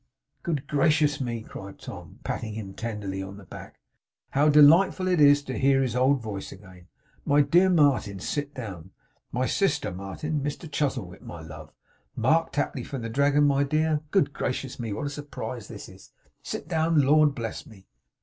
'Good gracious me!' cried Tom, patting him tenderly on the back. 'How delightful it is to hear his old voice again! My dear Martin, sit down. My sister, Martin. Mr Chuzzlewit, my love. Mark Tapley from the Dragon, my dear. Good gracious me, what a surprise this is! Sit down. Lord, bless me!